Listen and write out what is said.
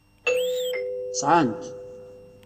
Sɛan-t.